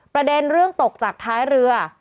ประเด็นเรื่องตกจากท้ายเรือ